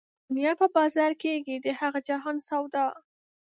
د دنيا په بازار کېږي د هغه جهان سودا